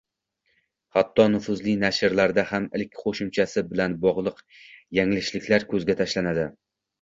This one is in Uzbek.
Hatto nufuzli nashrlarda ham -lik qoʻshimchasi bilan bogʻliq yanglishliklar koʻzga tashlanadi